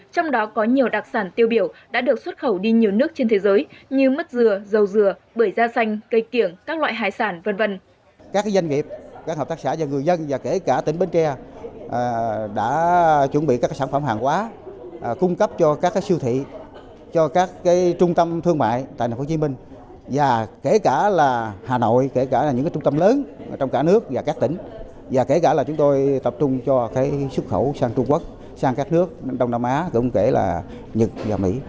trong đó có nhiều đặc sản tiêu biểu đã được xuất khẩu đi nhiều nước trên thế giới như mất dừa dầu dừa bưởi da xanh cây kiểng các loại hải sản v v